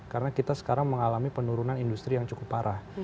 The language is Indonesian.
karena kita sekarang mengalami penurunan industri yang cukup parah